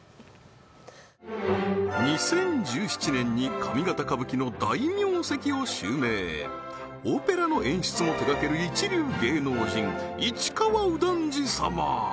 ２０１７年に上方歌舞伎の大名跡を襲名オペラの演出も手がける一流芸能人市川右團次様